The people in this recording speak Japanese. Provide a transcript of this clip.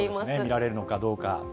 見られるのかどうか。